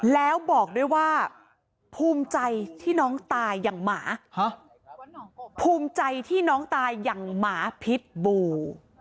แล้วบอกด้วยว่าภูมิใจที่น้องตายอย่างหมาพิษบู